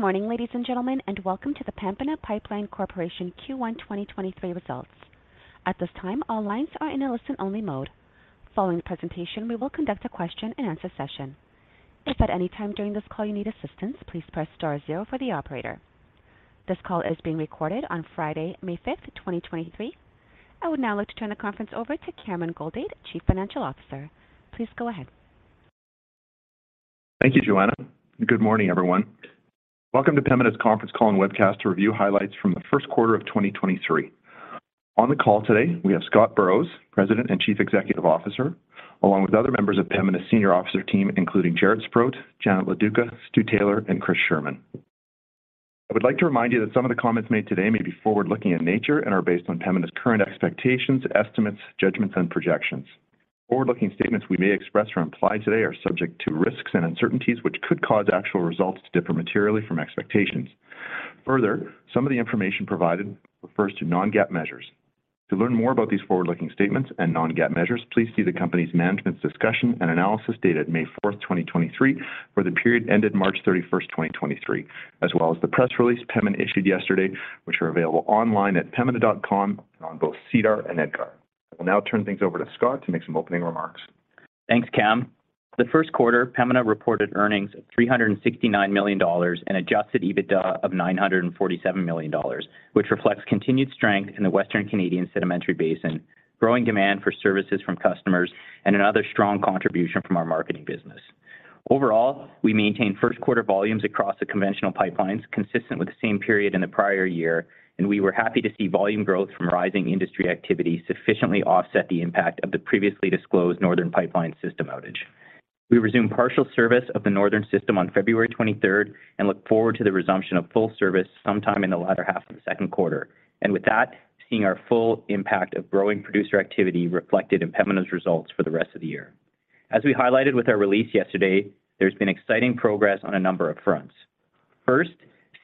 Good morning, ladies and gentlemen, and welcome to the Pembina Pipeline Corporation Q1 2023 results. At this time, all lines are in a listen-only mode. Following the presentation, we will conduct a question-and-answer session. If at any time during this call you need assistance, please press star zero for the operator. This call is being recorded on Friday, May 5th, 2023. I would now like to turn the conference over to Cameron Goldade, Chief Financial Officer. Please go ahead. Thank you, Joanna. Good morning, everyone. Welcome to Pembina's conference call and webcast to review highlights from the Q1 of 2023. On the call today, we have Scott Burrows, President and Chief Executive Officer, along with other members of Pembina's senior officer team, including Jaret Sprott, Janet Loduca, Stu Taylor, and Chris Scherman. I would like to remind you that some of the comments made today may be forward-looking in nature and are based on Pembina's current expectations, estimates, judgments, and projections. Forward-looking statements we may express or imply today are subject to risks and uncertainties which could cause actual results to differ materially from expectations. Further, some of the information provided refers to non-GAAP measures. To learn more about these forward-looking statements and non-GAAP measures, please see the company's management's discussion and analysis dated May fourth, 2023, for the period ended March 31st, 2023, as well as the press release Pembina issued yesterday, which are available online at pembina.com and on both SEDAR and EDGAR. I will now turn things over to Scott to make some opening remarks. Thanks, Cam. The Q1, Pembina reported earnings of 369 million dollars and adjusted EBITDA of 947 million dollars, which reflects continued strength in the Western Canadian Sedimentary Basin, growing demand for services from customers, and another strong contribution from our marketing business. Overall, we maintained Q1 volumes across the conventional pipelines consistent with the same period in the prior year, and we were happy to see volume growth from rising industry activity sufficiently offset the impact of the previously disclosed Northern Pipeline system outage. We resumed partial service of the Northern system on February 23rd and look forward to the resumption of full service sometime in the latter half of the Q2. With that, seeing our full impact of growing producer activity reflected in Pembina's results for the rest of the year. As we highlighted with our release yesterday, there's been exciting progress on a number of fronts. First,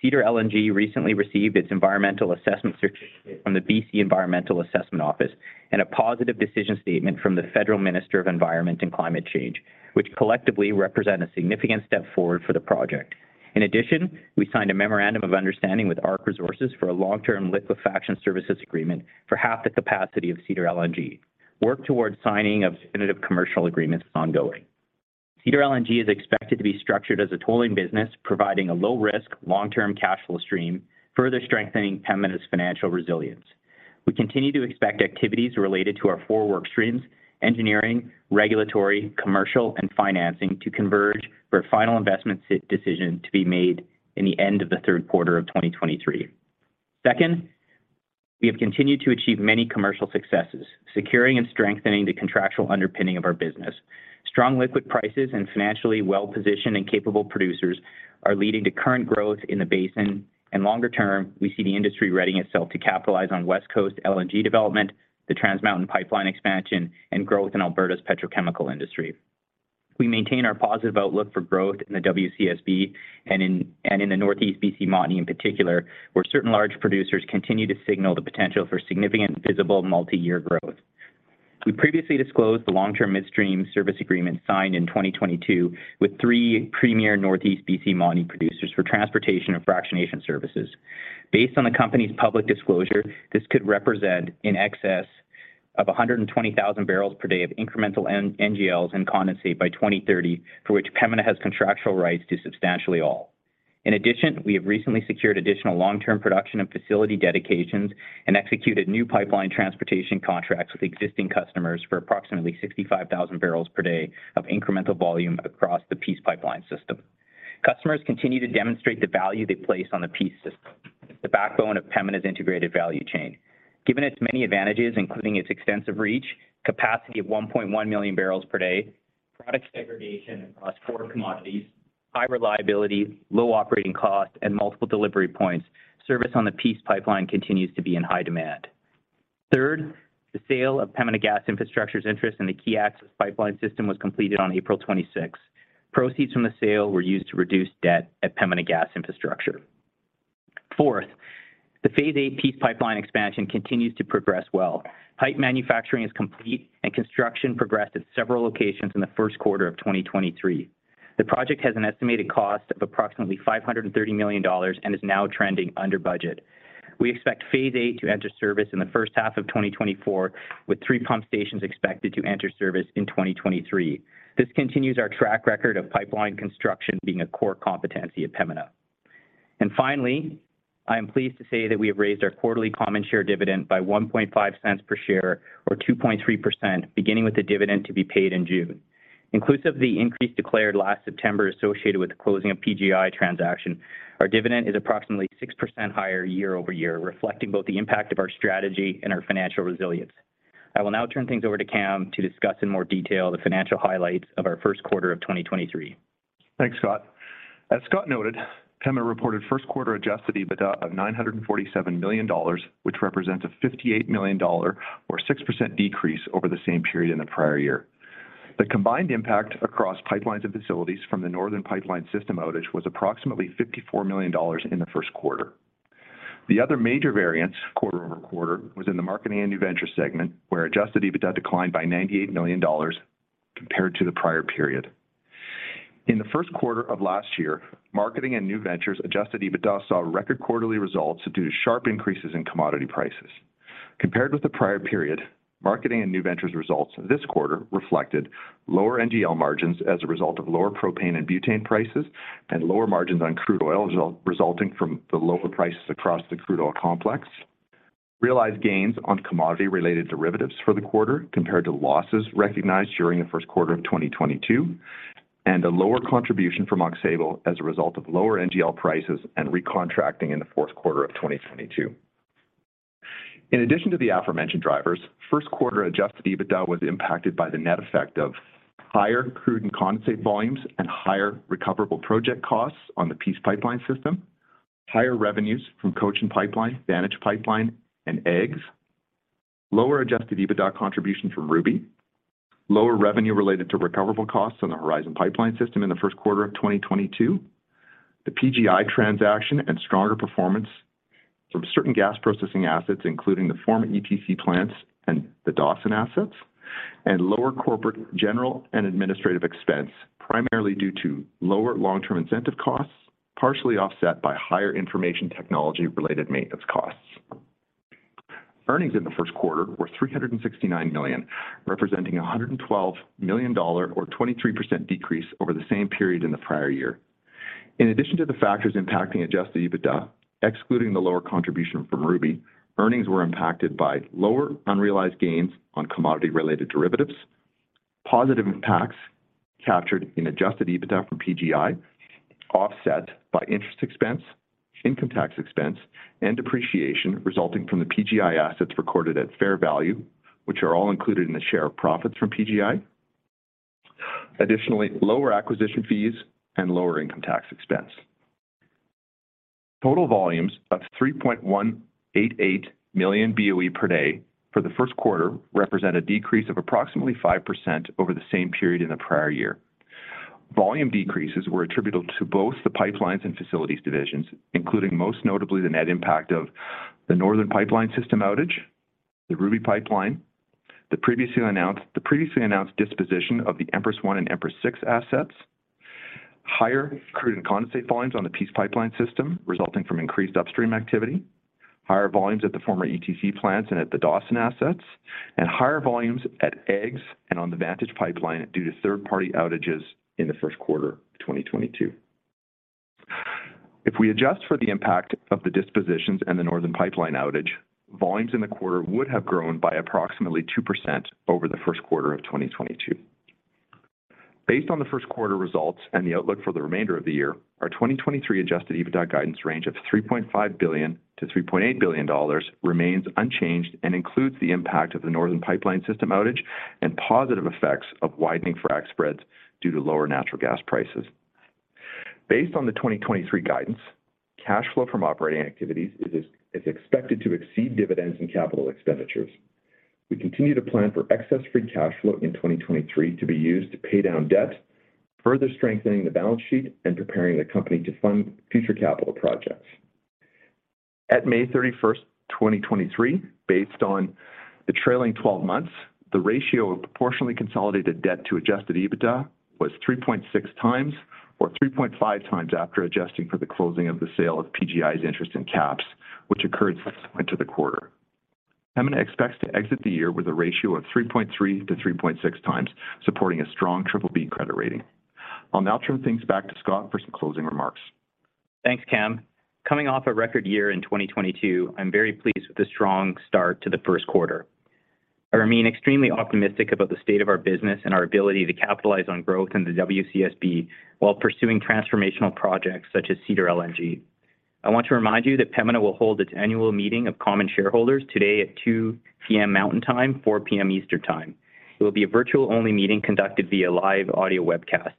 Cedar LNG recently received its environmental assessment certificate from the BC Environmental Assessment Office and a positive decision statement from the Federal Minister of Environment and Climate Change, which collectively represent a significant step forward for the project. In addition, we signed a memorandum of understanding with ARC Resources for a long-term liquefaction services agreement for half the capacity of Cedar LNG. Work towards signing of definitive commercial agreements is ongoing. Cedar LNG is expected to be structured as a tolling business, providing a low risk, long-term cash flow stream, further strengthening Pembina's financial resilience. We continue to expect activities related to our four work streams, engineering, regulatory, commercial, and financing to converge for a final investment decision to be made in the end of the Q3 of 2023. Second, we have continued to achieve many commercial successes, securing and strengthening the contractual underpinning of our business. Strong liquid prices and financially well-positioned and capable producers are leading to current growth in the basin. Longer term, we see the industry readying itself to capitalize on West Coast LNG development, the Trans Mountain pipeline expansion, and growth in Alberta's petrochemical industry. We maintain our positive outlook for growth in the WCSB and in the Northeast BC Montney in particular, where certain large producers continue to signal the potential for significant visible multi-year growth. We previously disclosed the long-term midstream service agreement signed in 2022 with three premier Northeast BC Montney producers for transportation and fractionation services. Based on the company's public disclosure, this could represent in excess of 120,000 barrels per day of incremental NGLs and condensate by 2030, for which Pembina has contractual rights to substantially all. In addition, we have recently secured additional long-term production and facility dedications and executed new pipeline transportation contracts with existing customers for approximately 65,000 barrels per day of incremental volume across the Peace Pipeline system. Customers continue to demonstrate the value they place on the Peace system, the backbone of Pembina's integrated value chain. Given its many advantages, including its extensive reach, capacity of 1.1 million barrels per day, product segregation across four commodities, high reliability, low operating cost, and multiple delivery points, service on the Peace Pipeline continues to be in high demand. Third, the sale of Pembina Gas Infrastructure's interest in the Key Access Pipeline System was completed on April 26th. Proceeds from the sale were used to reduce debt at Pembina Gas Infrastructure. Fourth, the Phase VIII Peace Pipeline Expansion continues to progress well. Height manufacturing is complete and construction progressed at several locations in the Q1 of 2023. The project has an estimated cost of approximately 530 million dollars and is now trending under budget. We expect Phase VIII to enter service in the H1 of 2024, with three pump stations expected to enter service in 2023. This continues our track record of pipeline construction being a core competency at Pembina. Finally, I am pleased to say that we have raised our quarterly common share dividend by 0.015 per share or 2.3%, beginning with the dividend to be paid in June. Inclusive of the increase declared last September associated with the closing of PGI transaction, our dividend is approximately 6% higher year-over-year, reflecting both the impact of our strategy and our financial resilience. I will now turn things over to Cam to discuss in more detail the financial highlights of our Q1 of 2023. Thanks, Scott. As Scott noted, Pembina reported Q1 adjusted EBITDA of 947 million dollars, which represents a 58 million dollar or 6% decrease over the same period in the prior year. The combined impact across pipelines and facilities from the Northern Pipeline system outage was approximately 54 million dollars in the Q1. The other major variance quarter-over-quarter was in the marketing and new venture segment, where adjusted EBITDA declined by 98 million dollars compared to the prior period. In the Q1 of last year, marketing and new ventures adjusted EBITDA saw record quarterly results due to sharp increases in commodity prices. Compared with the prior period, marketing and new ventures results this quarter reflected lower NGL margins as a result of lower propane and butane prices and lower margins on crude oil resulting from the lower prices across the crude oil complex. Realized gains on commodity-related derivatives for the quarter compared to losses recognized during the Q1 of 2022, and a lower contribution from Oxbow as a result of lower NGL prices and recontracting in the Q4 of 2022. In addition to the aforementioned drivers, Q1 adjusted EBITDA was impacted by the net effect of higher crude and condensate volumes and higher recoverable project costs on the Peace Pipeline system, higher revenues from Cochin Pipeline, Vantage Pipeline, and AEGS, lower adjusted EBITDA contribution from Ruby Pipeline, lower revenue related to recoverable costs on the Horizon Pipeline system in the Q1 of 2022, the PGI transaction and stronger performance from certain gas processing assets, including the former ETC plants and the Dawson assets, and lower corporate, general and administrative expense, primarily due to lower long-term incentive costs, partially offset by higher information technology related maintenance costs. Earnings in the Q1 were 369 million, representing 112 million dollar or 23% decrease over the same period in the prior year. In addition to the factors impacting adjusted EBITDA, excluding the lower contribution from Ruby, earnings were impacted by lower unrealized gains on commodity-related derivatives. Positive impacts captured in adjusted EBITDA from PGI, offset by interest expense, income tax expense, and depreciation resulting from the PGI assets recorded at fair value, which are all included in the share of profits from PGI. Additionally, lower acquisition fees and lower income tax expense. Total volumes of 3.188 million BOE per day for the Q1 represent a decrease of approximately 5% over the same period in the prior year. Volume decreases were attributable to both the pipelines and facilities divisions, including, most notably, the net impact of the Northern Pipeline system outage, the Ruby Pipeline, the previously announced disposition of the Empress I and Empress VI assets. Higher crude and condensate volumes on the Peace Pipeline system resulting from increased upstream activity. Higher volumes at the former ETC plants and at the Dawson assets, and higher volumes at AEGS and on the Vantage Pipeline due to third-party outages in the Q1 of 2022. If we adjust for the impact of the dispositions and the Northern Pipeline outage, volumes in the quarter would have grown by approximately 2% over the Q1 of 2022. Based on the Q1 results and the outlook for the remainder of the year, our 2023 adjusted EBITDA guidance range of 3.5-3.8 billion dollars remains unchanged and includes the impact of the Northern Pipeline system outage and positive effects of widening frac spreads due to lower natural gas prices. Based on the 2023 guidance, cash flow from operating activities is expected to exceed dividends and capital expenditures. We continue to plan for excess free cash flow in 2023 to be used to pay down debt, further strengthening the balance sheet and preparing the company to fund future capital projects. At May 31st, 2023, based on the trailing 12 months, the ratio of proportionally consolidated debt to adjusted EBITDA was 3.6x or 3.5x after adjusting for the closing of the sale of PGI's interest in KAPS, which occurred subsequent to the quarter. Pembina expects to exit the year with a ratio of 3.3x-3.6x, supporting a strong BBB credit rating. I'll now turn things back to Scott for some closing remarks. Thanks, Cam. Coming off a record year in 2022, I'm very pleased with the strong start to the Q1. I remain extremely optimistic about the state of our business and our ability to capitalize on growth in the WCSB while pursuing transformational projects such as Cedar LNG. I want to remind you that Pembina will hold its annual meeting of common shareholders today at 2:00 A.M. Mountain Time, 4:00 P.M. Eastern Time. It will be a virtual only meeting conducted via live audio webcast.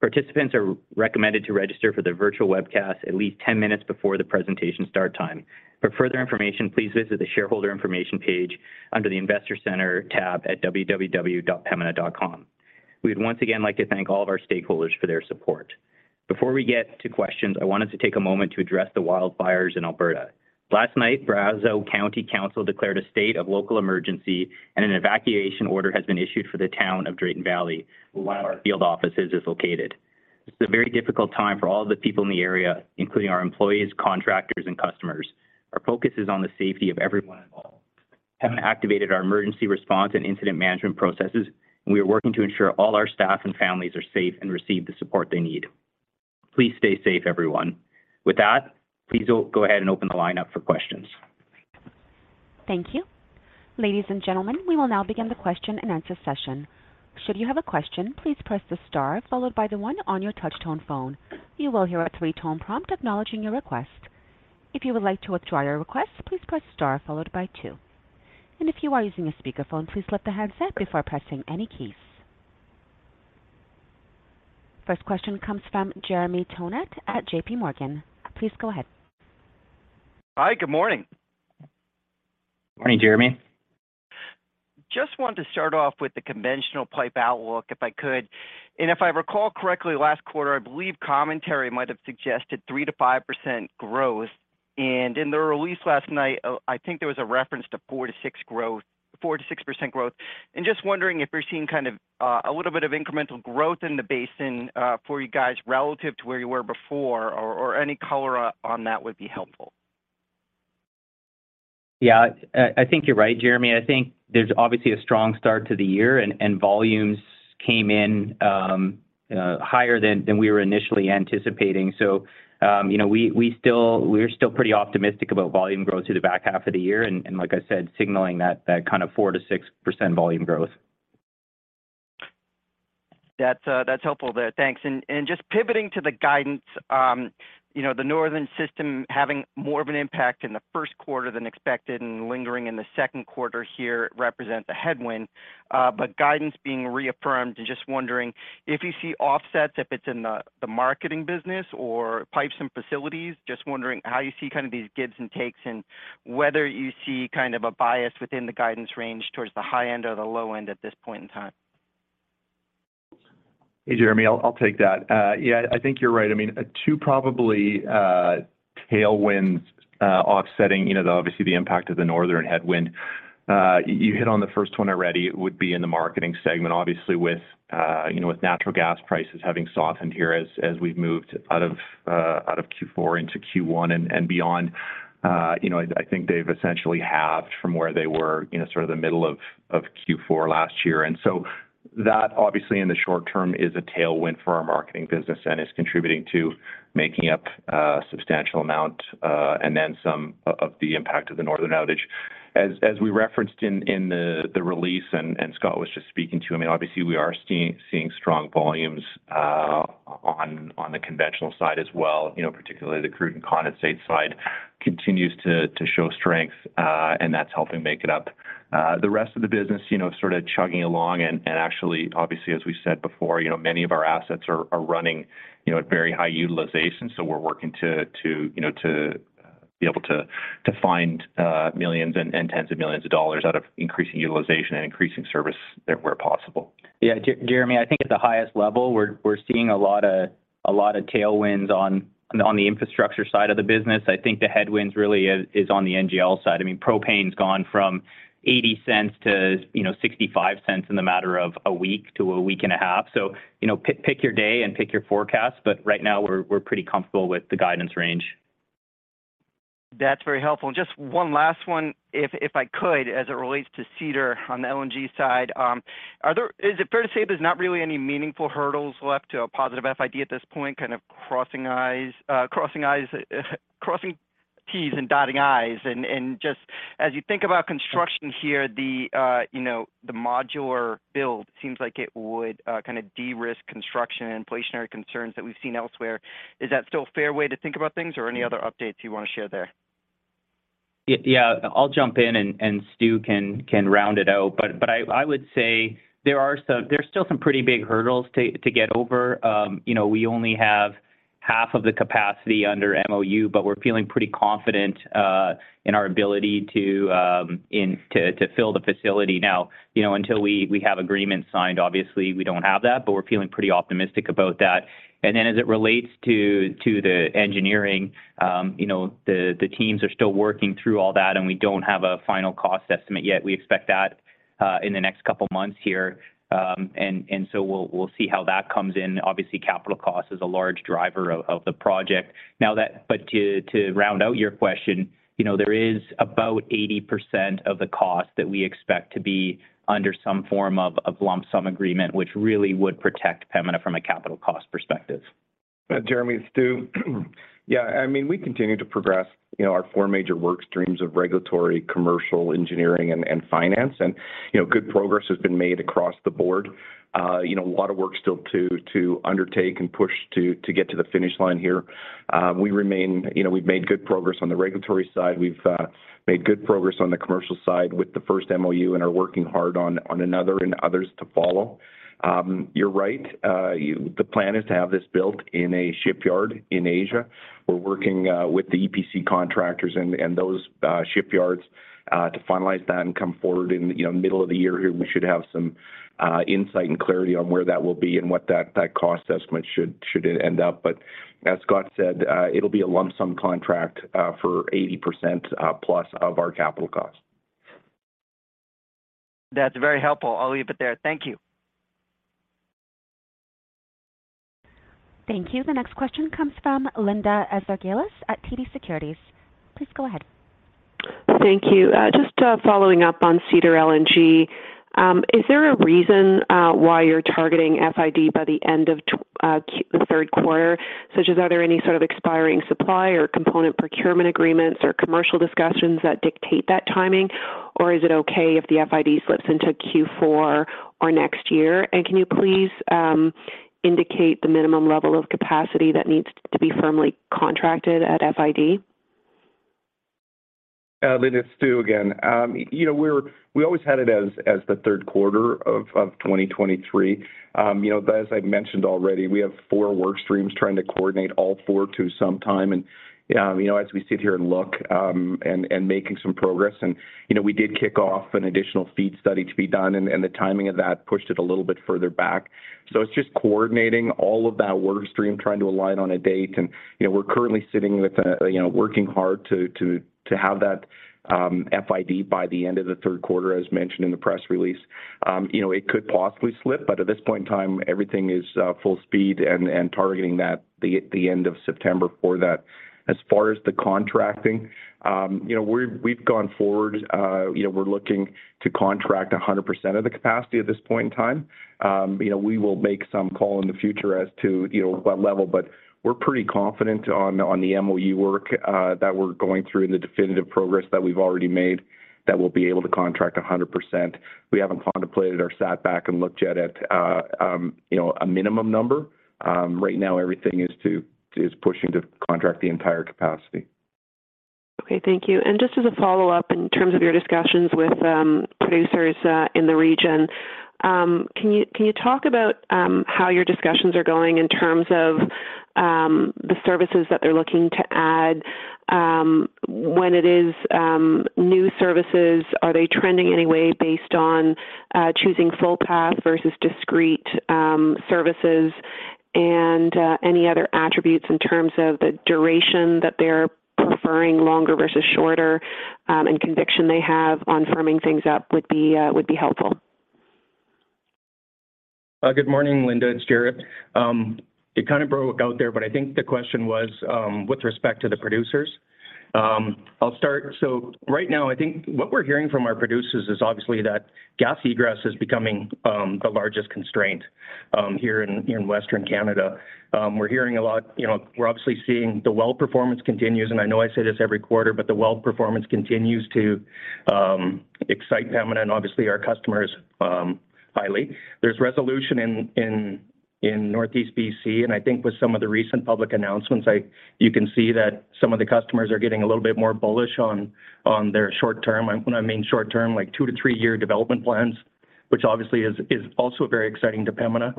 Participants are recommended to register for the virtual webcast at least 10 minutes before the presentation start time. For further information, please visit the shareholder information page under the Investor Center tab at pembina.com. We would once again like to thank all of our stakeholders for their support. Before we get to questions, I wanted to take a moment to address the wildfires in Alberta. Last night, Brazeau County Council declared a state of local emergency and an evacuation order has been issued for the town of Drayton Valley, where one of our field offices is located. This is a very difficult time for all the people in the area, including our employees, contractors, and customers. Our focus is on the safety of everyone involved. Pembina activated our emergency response and incident management processes, and we are working to ensure all our staff and families are safe and receive the support they need. Please stay safe, everyone. With that, please go ahead and open the line up for questions. Thank you. Ladies and gentlemen, we will now begin the question and answer session. Should you have a question, please press the star followed by the one on your touch tone phone. You will hear a three-tone prompt acknowledging your request. If you would like to withdraw your request, please press star followed by two. If you are using a speakerphone, please lift the handset before pressing any keys. First question comes from Jeremy Tonet at JPMorgan. Please go ahead. Hi, good morning. Morning, Jeremy. Just wanted to start off with the conventional pipe outlook, if I could. If I recall correctly, last quarter, I believe commentary might have suggested 3%-5% growth. In the release last night, I think there was a reference to 4%-6% growth. Just wondering if we're seeing kind of a little bit of incremental growth in the basin for you guys relative to where you were before, or any color on that would be helpful. Yeah. I think you're right, Jeremy. I think there's obviously a strong start to the year and volumes came in higher than we were initially anticipating. You know, we're still pretty optimistic about volume growth through the back half of the year. Like I said, signaling that kind of 4%-6% volume growth. That's helpful there. Thanks. Just pivoting to the guidance, you know, the Northern system having more of an impact in the Q1 than expected and lingering in the Q2 here represent the headwind, but guidance being reaffirmed. Just wondering if you see offsets, if it's in the marketing business or pipes and facilities. Just wondering how you see kind of these gives and takes and whether you see kind of a bias within the guidance range towards the high end or the low end at this point in time. Hey, Jeremy, I'll take that. Yeah. I think you're right. I mean, two probably tailwinds offsetting, you know, obviously the impact of the Northern headwind. You hit on the first one already. It would be in the marketing segment, obviously with, you know, with natural gas prices having softened here as we've moved out of Q4 into Q1 and beyond. You know, I think they've essentially halved from where they were, you know, sort of the middle of Q4 last year. That obviously in the short term is a tailwind for our marketing business and is contributing to making up a substantial amount and then some of the impact of the Northern outage. As we referenced in the release and Scott was just speaking to, I mean, obviously we are seeing strong volumes on the conventional side as well. You know, particularly the crude and condensate side continues to show strength, and that's helping make it up. The rest of the business, you know, sort of chugging along. Actually, obviously, as we said before, you know, many of our assets are running, you know, at very high utilization so we're working to, you know, to be able to find millions and tens of millions of dollars out of increasing utilization and increasing service where possible. Yeah. Jeremy, I think at the highest level, we're seeing a lot of tailwinds on the infrastructure side of the business. I think the headwinds really is on the NGL side. I mean, propane's gone from 0.80-0.65 in the matter of a week to a week and a half. You know, pick your day and pick your forecast, but right now we're pretty comfortable with the guidance range. That's very helpful. Just one last one, if I could, as it relates to Cedar on the LNG side. Is it fair to say there's not really any meaningful hurdles left to a positive FID at this point, kind of crossing I's, crossing T's and dotting I's. Just as you think about construction here, the, you know, the modular build seems like it would kind of de-risk construction and inflationary concerns that we've seen elsewhere. Is that still a fair way to think about things or any other updates you wanna share there? Yeah, I'll jump in and Stu can round it out. I would say there's still some pretty big hurdles to get over. You know, we only have half of the capacity under MOU, but we're feeling pretty confident in our ability to fill the facility now. You know, until we have agreements signed, obviously we don't have that, but we're feeling pretty optimistic about that. As it relates to the engineering, you know, the teams are still working through all that, and we don't have a final cost estimate yet. We expect that in the next couple months here so we'll see how that comes in. Obviously, capital cost is a large driver of the project. To round out your question, you know, there is about 80% of the cost that we expect to be under some form of a lump sum agreement, which really would protect Pembina from a capital cost perspective. Jeremy, Stu. Yeah, I mean, we continue to progress, you know, our four major work streams of regulatory, commercial, engineering, and finance. You know, good progress has been made across the board. You know, a lot of work still to undertake and push to get to the finish line here. You know, we've made good progress on the regulatory side. We've made good progress on the commercial side with the first MOU and are working hard on another and others to follow. You're right. The plan is to have this built in a shipyard in Asia. We're working with the EPC contractors and those shipyards to finalize that and come forward in, you know, middle of the year here, we should have some insight and clarity on where that will be and what that cost estimate should end up. As Scott said, it'll be a lump sum contract for 80%+ of our capital costs. That's very helpful. I'll leave it there. Thank you. Thank you. The next question comes from Linda Ezergailis at TD Securities. Please go ahead. Thank you. Just following up on Cedar LNG, is there a reason why you're targeting FID by the end of the Q3, such as are there any sort of expiring supply or component procurement agreements or commercial discussions that dictate that timing? Or is it okay if the FID slips into Q four or next year? Can you please indicate the minimum level of capacity that needs to be firmly contracted at FID? Linda, it's Stu again. You know, we always had it as the Q3 of 2023. You know, as I've mentioned already, we have four work streams trying to coordinate all four to some time. You know, as we sit here and look, and making some progress and, you know, we did kick off an additional FEED study to be done, and the timing of that pushed it a little bit further back. It's just coordinating all of that work stream, trying to align on a date. You know, we're currently sitting with, you know, working hard to have that FID by the end of the Q3, as mentioned in the press release. You know, it could possibly slip. At this point in time, everything is full speed and targeting the end of September for that. As far as the contracting, you know, we've gone forward. You know, we're looking to contract 100% of the capacity at this point in time. You know, we will make some call in the future as to, you know, what level. We're pretty confident on the MoE work that we're going through in the definitive progress that we've already made that we'll be able to contract 100%. We haven't contemplated or sat back and looked yet at, you know, a minimum number. Right now everything is pushing to contract the entire capacity. Okay. Thank you. Just as a follow-up, in terms of your discussions with producers in the region, can you talk about how your discussions are going in terms of the services that they're looking to add, when it is new services, are they trending any way based on choosing full path versus discrete services? Any other attributes in terms of the duration that they're preferring longer versus shorter, and conviction they have on firming things up would be helpful. Good morning, Linda. It's Jaret. It kind of broke out there, but I think the question was with respect to the producers. I'll start. Right now, I think what we're hearing from our producers is obviously that gas egress is becoming the largest constraint here in Western Canada. We're hearing a lot, you know, we're obviously seeing the well performance continues, and I know I say this every quarter, but the well performance continues to excite Pembina and obviously our customers highly. There's resolution in Northeast BC and I think with some of the recent public announcements, you can see that some of the customers are getting a little bit more bullish on their short term. When I mean short term, like two to three year development plans, which obviously is also very exciting to Pembina.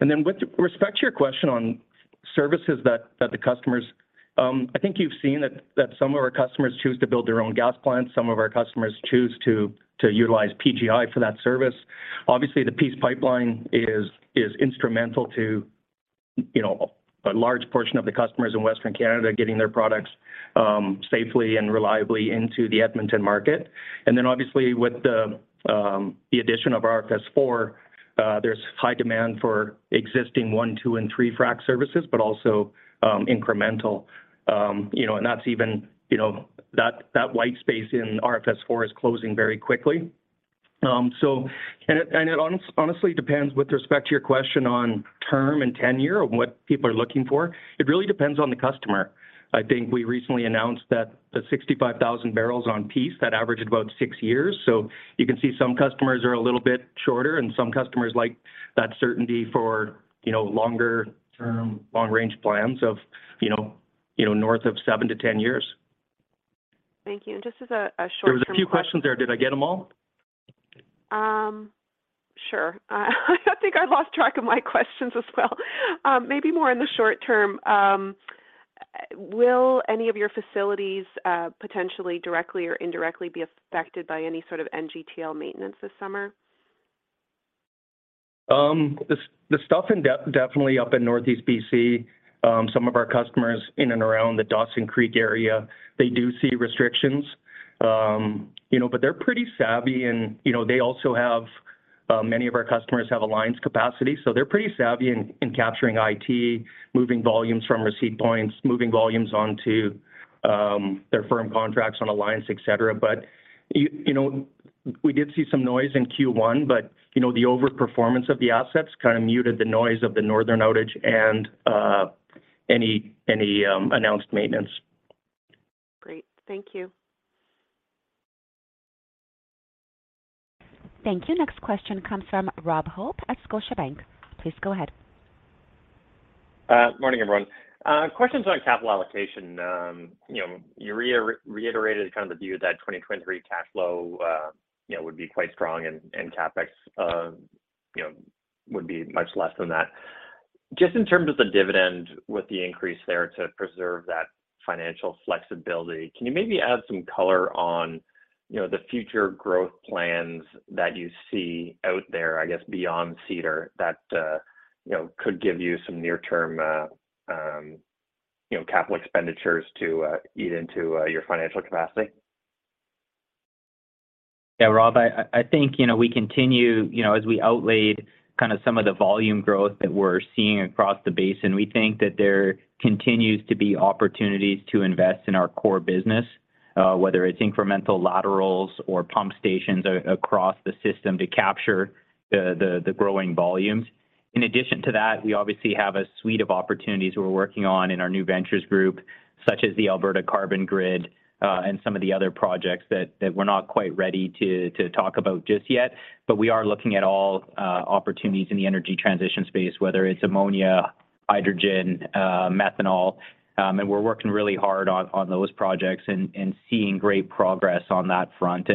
With respect to your question on services that the customers, I think you've seen that some of our customers choose to build their own gas plants. Some of our customers choose to utilize PGI for that service. Obviously, the Peace Pipeline is instrumental to, you know, a large portion of the customers in Western Canada getting their products safely and reliably into the Edmonton market. Obviously with the addition of RFS IV, there's high demand for existing one, two, and three frac services, but also incremental. You know, that's even, you know, that wide space in RFS IV is closing very quickly It honestly depends with respect to your question on term and tenure of what people are looking for. It really depends on the customer. I think we recently announced that the 65,000 barrels on Peace, that averaged about six years. You can see some customers are a little bit shorter and some customers like that certainty for, you know, longer term, long range plans of, you know, north of seven to.10 years. Thank you. Just as a short term- There was a few questions there. Did I get them all? Sure. I think I lost track of my questions as well. Maybe more in the short term. Will any of your facilities, potentially, directly or indirectly be affected by any sort of NGTL maintenance this summer? The stuff definitely up in Northeast BC, some of our customers in and around the Dawson Creek area, they do see restrictions. You know, but they're pretty savvy and, you know, they also have, many of our customers have Alliance capacity, so they're pretty savvy in capturing it, moving volumes from receipt points, moving volumes onto, their firm contracts on Alliance, et cetera. You know, we did see some noise in Q1, but, you know, the over-performance of the assets kind of muted the noise of the Northern outage and any announced maintenance. Great. Thank you. Thank you. Next question comes from Robert Hope at Scotiabank. Please go ahead. Morning, everyone. Questions on capital allocation. You know, you reiterated kind of the view that 2023 cash flow, you know, would be quite strong and CapEx, you know, would be much less than that. Just in terms of the dividend with the increase there to preserve that financial flexibility, can you maybe add some color on, you know, the future growth plans that you see out there, I guess, beyond Cedar that, you know, could give you some near term, you know, capital expenditures to eat into your financial capacity? Yeah, Rob, I think, you know, we continue, you know, as we outlaid kind of some of the volume growth that we're seeing across the basin, we think that there continues to be opportunities to invest in our core business, whether it's incremental laterals or pump stations across the system to capture the growing volumes. In addition to that, we obviously have a suite of opportunities we're working on in our new ventures group, such as the Alberta Carbon Grid, and some of the other projects that we're not quite ready to talk about just yet. We are looking at all opportunities in the energy transition space, whether it's ammonia, hydrogen, methanol, and we're working really hard on those projects and seeing great progress on that front.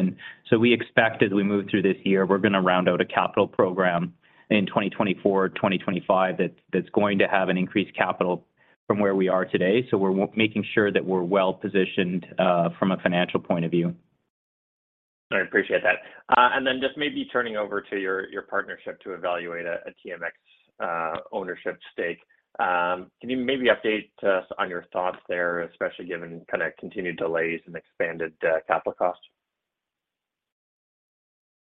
We expect as we move through this year, we're gonna round out a capital program in 2024, 2025 that's going to have an increased capital from where we are today. We're making sure that we're well-positioned from a financial point of view. I appreciate that. Then just maybe turning over to your partnership to evaluate a TMX ownership stake. Can you maybe update us on your thoughts there, especially given kinda continued delays and expanded capital costs?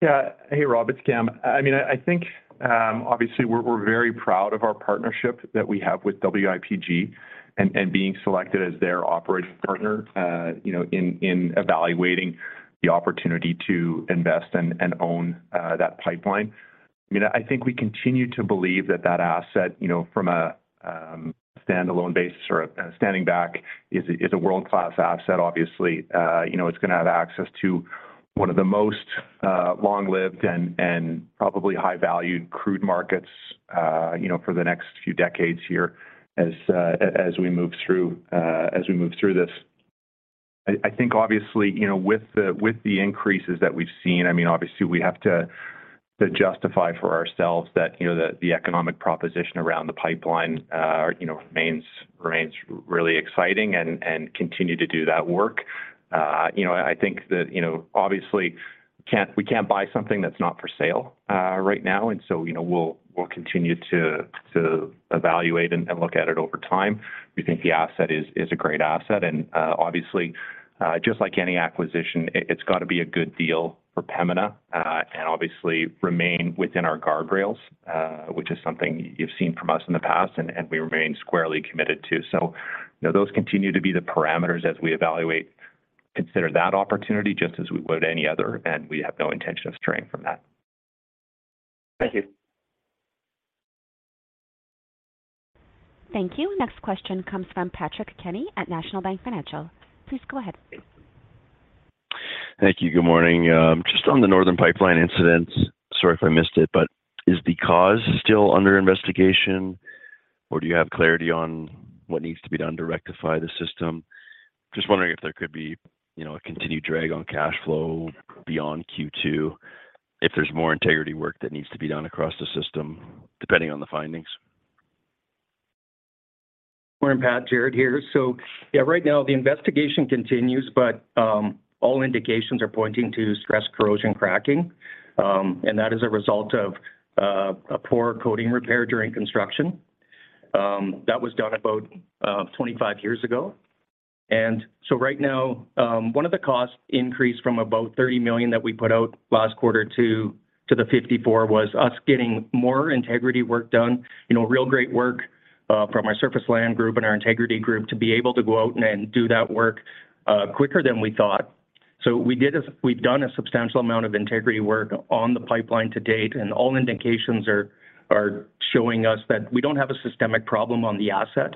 Yeah. Hey, Rob, it's Cam. I mean, I think, obviously we're very proud of our partnership that we have with WIPG and being selected as their operating partner, you know, in evaluating the opportunity to invest and own, that pipeline. I mean, I think we continue to believe that that asset, you know, from a standalone basis or standing back is a, is a world-class asset, obviously. You know, it's gonna have access to one of the most long-lived and probably high-valued crude markets, you know, for the next few decades here as we move through, as we move through this. I think, obviously, you know, with the, with the increases that we've seen, I mean, obviously we have to justify for ourselves that, you know, the economic proposition around the pipeline, you know, remains really exciting and continue to do that work. You know, I think that, you know, obviously we can't buy something that's not for sale, right now. You know, we'll continue to evaluate and look at it over time. We think the asset is a great asset and obviously, just like any acquisition, it's got to be a good deal for Pembina, and obviously remain within our guardrails, which is something you've seen from us in the past and we remain squarely committed to. You know, those continue to be the parameters as we evaluate, consider that opportunity just as we would any other, and we have no intention of straying from that. Thank you. Thank you. Next question comes from Patrick Kenny at National Bank Financial. Please go ahead. Thank you. Good morning. Just on the Northern Pipeline incident, sorry if I missed it, but is the cause still under investigation or do you have clarity on what needs to be done to rectify the system? Just wondering if there could be, you know, a continued drag on cash flow beyond Q2 if there's more integrity work that needs to be done across the system, depending on the findings. Morning, Pat. Jared here. Right now the investigation continues, but all indications are pointing to stress corrosion cracking. That is a result of a poor coating repair during construction that was done about 25 years ago. Right now, one of the cost increase from about $30 million that we put out last quarter to the $54 was us getting more integrity work done. You know, real great work from our surface land group and our integrity group to be able to go out and do that work quicker than we thought. We've done a substantial amount of integrity work on the pipeline to date, and all indications are showing us that we don't have a systemic problem on the asset.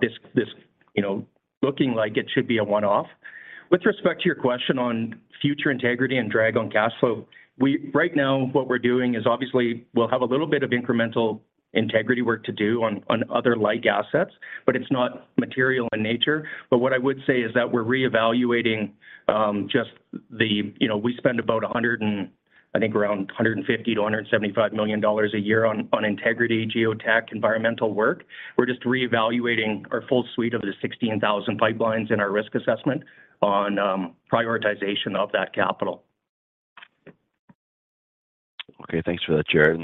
This, this, you know, looking like it should be a one-off. With respect to your question on future integrity and drag on cash flow, right now what we're doing is obviously we'll have a little bit of incremental integrity work to do on other like assets, but it's not material in nature. What I would say is that we're reevaluating, just the, you know, we spend about I think around 150 million-175 million dollars a year on integrity, geotech, environmental work. We're just reevaluating our full suite of the 16,000 pipelines in our risk assessment on prioritization of that capital. Okay. Thanks for that, Jaret.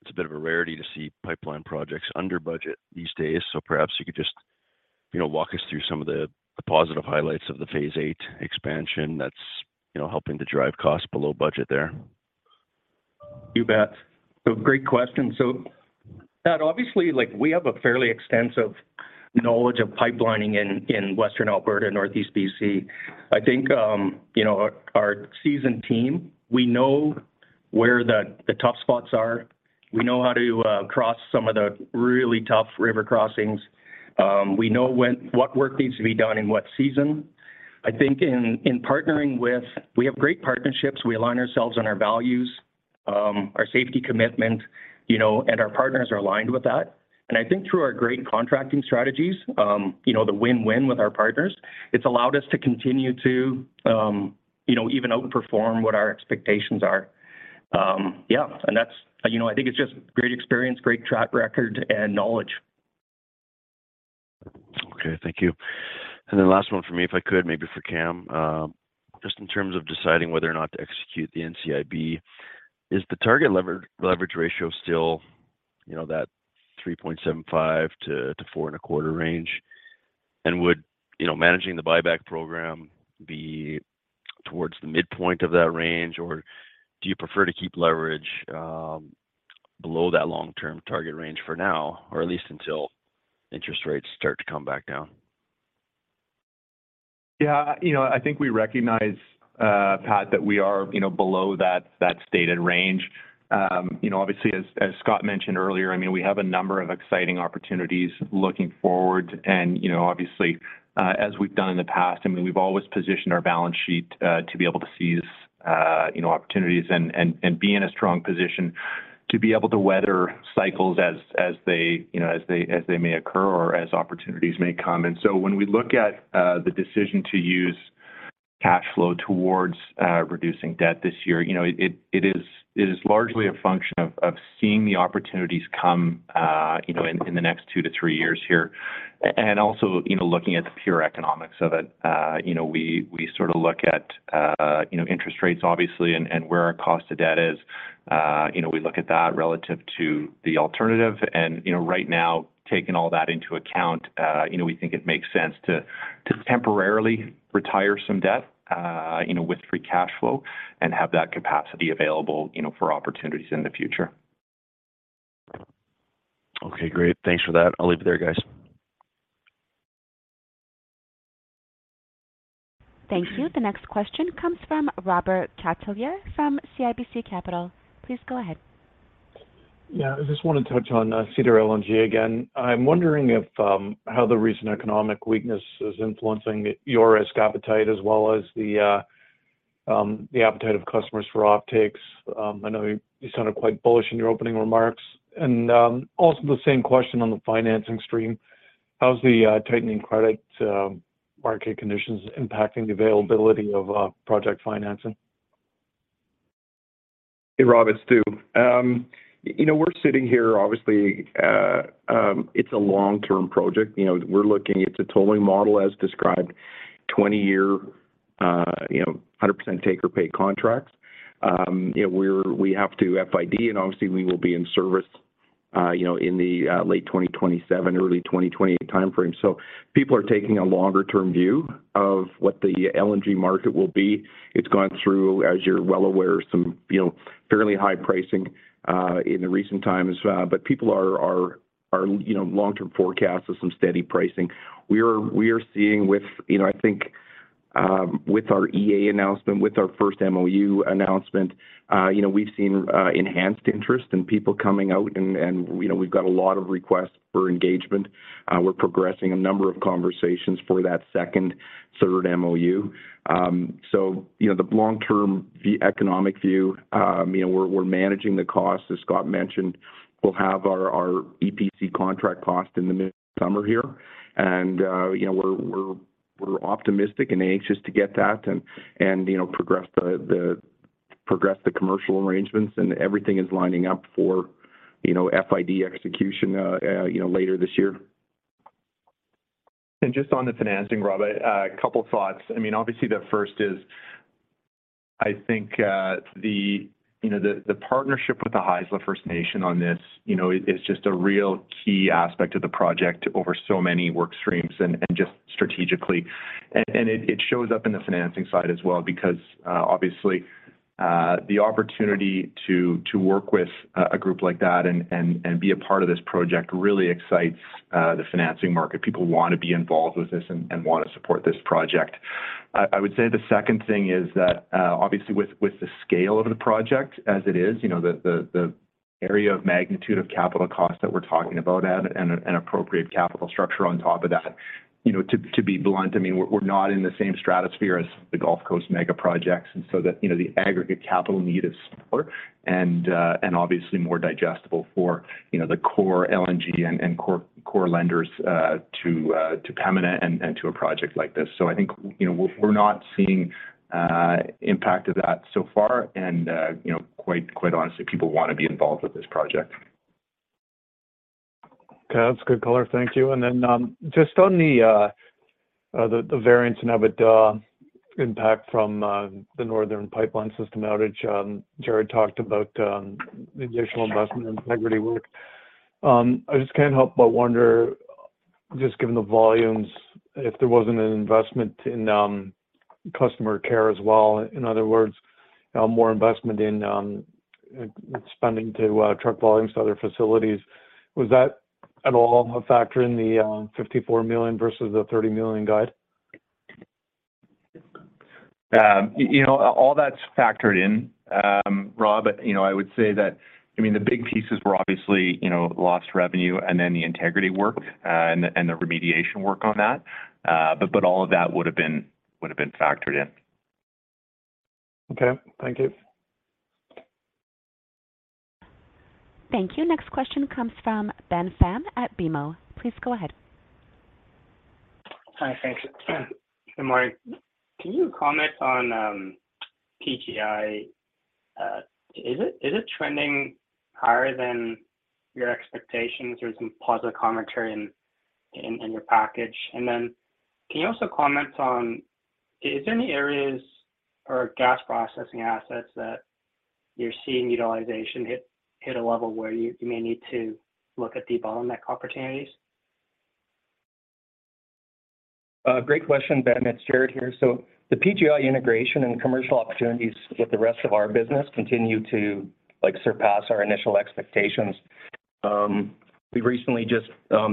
It's a bit of a rarity to see pipeline projects under budget these days. You could just, you know, walk us through some of the positive highlights of the Phase VIII Peace Pipeline Expansion that's, you know, helping to drive costs below budget there. You bet. Great question. Pat, obviously, like, we have a fairly extensive knowledge of pipelining in Western Alberta and Northeast BC. I think, you know, our seasoned team, we know where the tough spots are. We know how to cross some of the really tough river crossings. We know what work needs to be done in what season. I think in partnering with, we have great partnerships. We align ourselves on our values, our safety commitment, you know, and our partners are aligned with that. I think through our great contracting strategies, you know, the win-win with our partners, it's allowed us to continue to, you know, even outperform what our expectations are. That's, you know, I think it's just great experience, great track record, and knowledge. Okay. Thank you. Last one for me, if I could, maybe for Cam. Just in terms of deciding whether or not to execute the NCIB, is the target leverage ratio still, you know, that 3.75-4.15 range? Would, you know, managing the buyback program be towards the midpoint of that range, or do you prefer to keep leverage below that long-term target range for now, or at least until interest rates start to come back down? Yeah, you know, I think we recognize, Pat, that we are, you know, below that stated range. You know, obviously as Scott mentioned earlier, I mean, we have a number of exciting opportunities looking forward and, you know, obviously, as we've done in the past, I mean, we've always positioned our balance sheet, to be able to seize, you know, opportunities and be in a strong position to be able to weather cycles as they, you know, as they may occur or as opportunities may come. When we look at the decision to use cash flow towards reducing debt this year, you know, it is largely a function of seeing the opportunities come, you know, in the next two to three years here. Also, you know, looking at the pure economics of it. you know, we sort of look at, you know, interest rates obviously and where our cost of debt is. You know, we look at that relative to the alternative and, you know, right now, taking all that into account, you know, we think it makes sense to temporarily retire some debt, you know, with free cash flow and have that capacity available, you know, for opportunities in the future. Okay, great. Thanks for that. I'll leave it there, guys. Thank you. The next question comes from Robert Catellier from CIBC Capital. Please go ahead. Yeah. I just wanna touch on Cedar LNG again. I'm wondering if how the recent economic weakness is influencing your risk appetite as well as the appetite of customers for offtakes. I know you sounded quite bullish in your opening remarks. Also the same question on the financing stream. How's the tightening credit market conditions impacting the availability of project financing? Hey, Rob, it's Stu. You know, we're sitting here, obviously, it's a long-term project. you know, It's a totally model as described, 20-year, you know, 100% take or pay contracts. You know, we have to FID, and obviously we will be in service, you know, in the late 2027, early 2028 timeframe. People are taking a longer term view of what the LNG market will be. It's gone through, as you're well aware, some, you know, fairly high pricing, in the recent times. but people are, you know, long-term forecast with some steady pricing. We are seeing with, you know, I think, with our EA announcement, with our first MOU announcement, you know, we've seen enhanced interest and people coming out and, you know, we've got a lot of requests for engagement. We're progressing a number of conversations for that second, third MOU. So, you know, the long-term economic view, you know, we're managing the cost. As Scott mentioned, we'll have our EPC contract cost in the midsummer here. You know, we're optimistic and anxious to get that and, you know, progress the commercial arrangements and everything is lining up for, you know, FID execution, you know, later this year. Just on the financing, Rob, a couple thoughts. I mean, obviously the first is I think, you know, the partnership with the Haisla Nation on this, you know, is just a real key aspect of the project over so many work streams and just strategically. It shows up in the financing side as well because obviously the opportunity to work with a group like that and be a part of this project really excites the financing market. People wanna be involved with this and wanna support this project. I would say the second thing is that obviously with the scale of the project as it is, you know, the area of magnitude of capital costs that we're talking about and an appropriate capital structure on top of that. You know, to be blunt, I mean, we're not in the same stratosphere as the Gulf Coast mega projects. That, you know, the aggregate capital need is smaller and obviously more digestible for, you know, the core LNG and core lenders to Pembina and to a project like this. I think, you know, we're not seeing impact of that so far and you know, quite honestly, people wanna be involved with this project. Okay. That's good color. Thank you. Just on the variance in EBITDA impact from the Northern Pipeline system outage, Jaret talked about the additional investment in integrity work. I just can't help but wonder, just given the volumes, if there wasn't an investment in customer care as well. In other words, more investment in spending to truck volumes to other facilities. Was that at all a factor in the 54 million versus the 30 million guide? You know, all that's factored in, Rob. You know, I would say that, I mean, the big pieces were obviously, you know, lost revenue and then the integrity work, and the remediation work on that. All of that would have been factored in. Okay. Thank you. Thank you. Next question comes from Ben Pham at BMO. Please go ahead. Hi. Thanks. Hey, Mark. Can you comment on PGI? Is it trending higher than your expectations? There's some positive commentary in your package. Can you also comment on, is there any areas or gas processing assets that you're seeing utilization hit a level where you may need to look at the bottleneck opportunities? Great question, Ben. It's Jaret here. The PGI integration and commercial opportunities with the rest of our business continue to, like, surpass our initial expectations. We recently just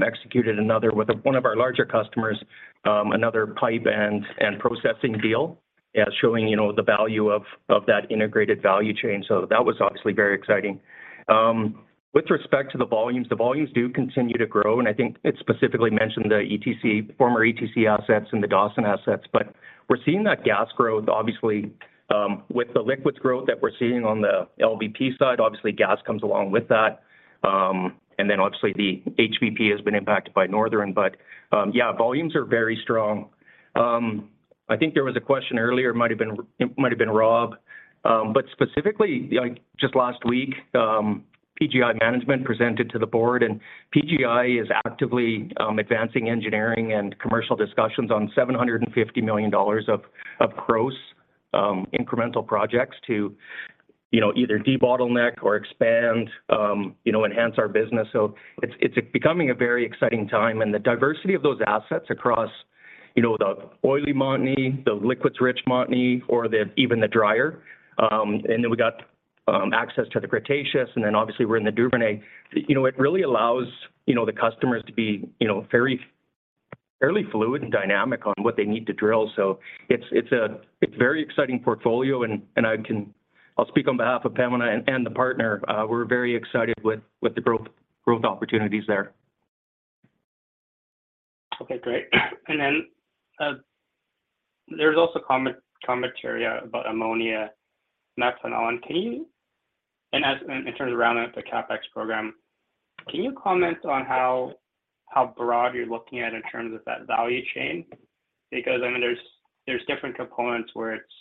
executed another with one of our larger customers, another pipe and processing deal, showing, you know, the value of that integrated value chain. That was obviously very exciting. With respect to the volumes, the volumes do continue to grow, and I think it specifically mentioned the ETC, former ETC assets and the Dawson assets. We're seeing that gas growth, obviously, with the liquids growth that we're seeing on the LBP side, obviously gas comes along with that. Obviously the HBP has been impacted by Northern. Yeah, volumes are very strong. I think there was a question earlier, it might have been Rob. Specifically, like just last week, PGI management presented to the board, and PGI is actively advancing engineering and commercial discussions on 750 million dollars of gross incremental projects to, you know, either de-bottleneck or expand, you know, enhance our business. It's becoming a very exciting time. The diversity of those assets across, you know, the oily Montney, the liquids rich Montney or the even the drier. We got access to the Cretaceous, and then obviously we're in the Duvernay. You know, it really allows, you know, the customers to be, you know, very fairly fluid and dynamic on what they need to drill. It's a very exciting portfolio. I'll speak on behalf of Pembina and the partner, we're very excited with the growth opportunities there. Okay, great. Then, there's also commentary about ammonia methanol. As in terms around the CapEx program, can you comment on how broad you're looking at in terms of that value chain? Because I mean, there's different components where it's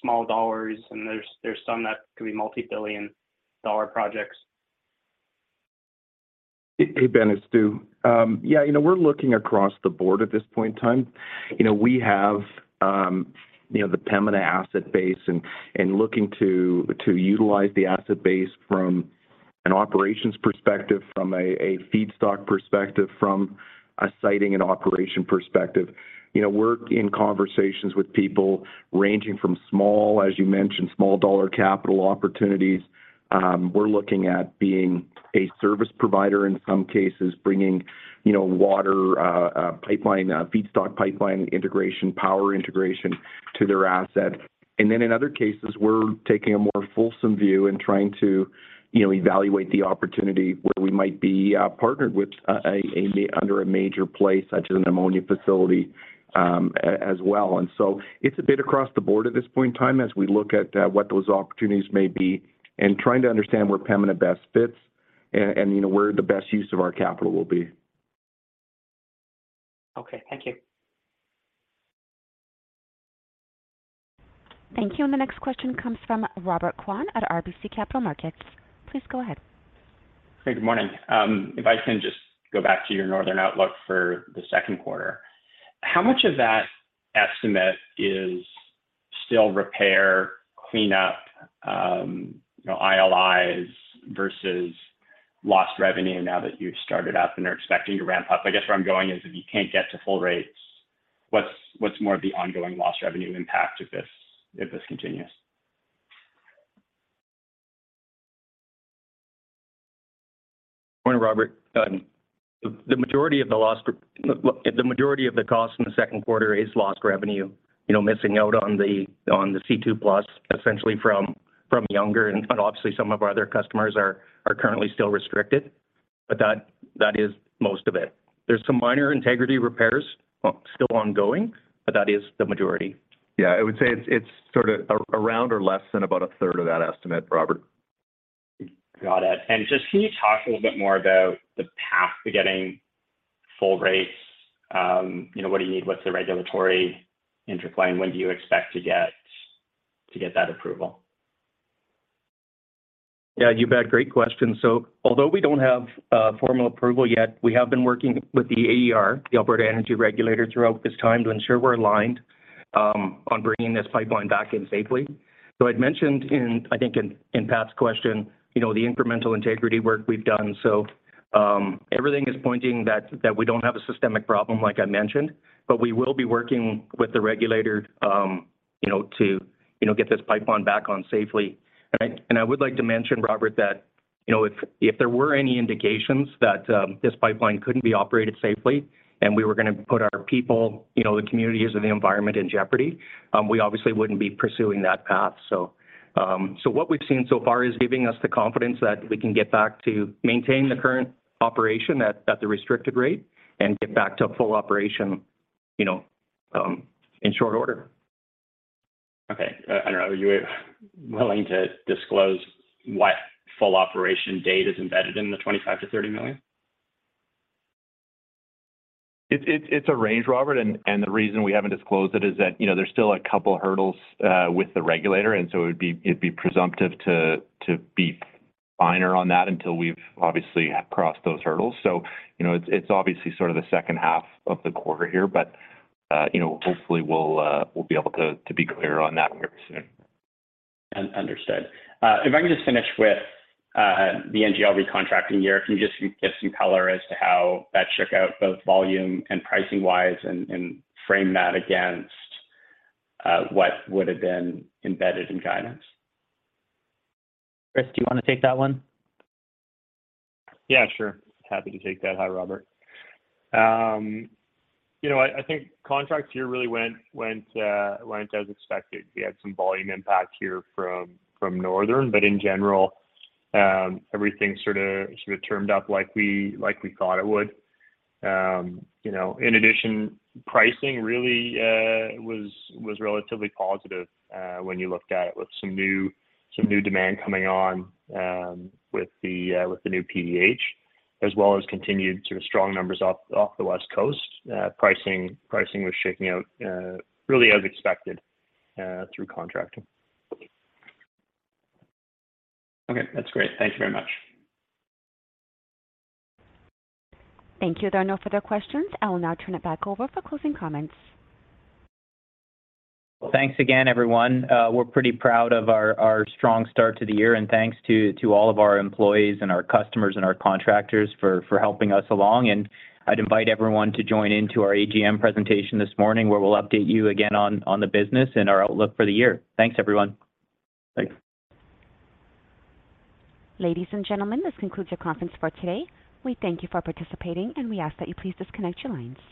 small dollars and there's some that could be multi-billion dollar projects. Hey, Ben, it's Stu. Yeah, you know, we're looking across the board at this point in time. You know, we have, you know, the Pembina asset base and looking to utilize the asset base from an operations perspective, from a feedstock perspective, from a siting and operation perspective. You know, we're in conversations with people ranging from small, as you mentioned, small dollar capital opportunities. We're looking at being a service provider, in some cases, bringing, you know, water, pipeline, feedstock pipeline integration, power integration to their asset. In other cases, we're taking a more fulsome view and trying to, you know, evaluate the opportunity where we might be partnered with a under a major play such as an ammonia facility, as well. It's a bit across the board at this point in time as we look at what those opportunities may be and trying to understand where Pembina best fits and, you know, where the best use of our capital will be. Okay. Thank you. Thank you. The next question comes from Robert Kwan at RBC Capital Markets. Please go ahead. Hey, good morning. If I can just go back to your Northern outlook for the Q2. How much of that estimate is still repair, cleanup, you know, ILIs versus lost revenue now that you've started up and are expecting to ramp up? I guess where I'm going is if you can't get to full rates, what's more of the ongoing lost revenue impact if this continues? Morning, Robert. The majority of the cost in the Q2 is lost revenue. You know, missing out on the C2+ essentially from Younger and obviously some of our other customers are currently still restricted, but that is most of it. There's some minor integrity repairs still ongoing, but that is the majority. Yeah, I would say it's sort of around or less than about a third of that estimate, Robert. Got it. Just can you talk a little bit more about the path to getting full rates? You know, what do you need? What's the regulatory interplay? When do you expect to get that approval? Yeah, you bet. Great question. Although we don't have formal approval yet, we have been working with the AER, the Alberta Energy Regulator, throughout this time to ensure we're aligned on bringing this pipeline back in safely. I'd mentioned in Pat's question, you know, the incremental integrity work we've done. Everything is pointing that we don't have a systemic problem, like I mentioned, we will be working with the regulator, you know, to, you know, get this pipeline back on safely. I would like to mention, Robert, that, you know, if there were any indications that this pipeline couldn't be operated safely and we were gonna put our people, you know, the communities or the environment in jeopardy, we obviously wouldn't be pursuing that path. What we've seen so far is giving us the confidence that we can get back to maintaining the current operation at the restricted rate and get back to full operation, you know, in short order. Okay. I don't know, are you willing to disclose what full operation date is embedded in the 25 million-30 million? It's a range, Robert, and the reason we haven't disclosed it is that, you know, there's still a couple hurdles with the regulator. It'd be presumptive to be finer on that until we've obviously crossed those hurdles. You know, it's obviously sort of the H2 of the quarter here, but, you know, hopefully we'll be able to be clear on that very soon. If I can just finish with the NGL recontracting year, can you just give some color as to how that shook out, both volume and pricing-wise, and frame that against what would have been embedded in guidance? Chris, do you wanna take that one? Yeah, sure. Happy to take that. Hi, Robert. You know, I think contracts here really went as expected. We had some volume impact here from Northern, but in general, everything sorta turned up like we thought it would. You know, in addition, pricing really was relatively positive when you looked at it with some new demand coming on with the new PDH, as well as continued sort of strong numbers off the West Coast. Pricing was shaking out, really as expected, through contracting. Okay, that's great. Thank you very much. Thank you. There are no further questions. I will now turn it back over for closing comments. Well, thanks again, everyone. Thanks to all of our employees and our customers and our contractors for helping us along. I'd invite everyone to join in to our AGM presentation this morning, where we'll update you again on the business and our outlook for the year. Thanks everyone. Thanks. Ladies and gentlemen, this concludes your conference for today. We thank you for participating. We ask that you please disconnect your lines.